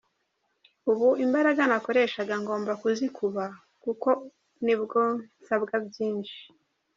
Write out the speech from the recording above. Ubu imbaraga nakoreshaga ngomba kuzikuba kuko nibwo nsabwa byinshi.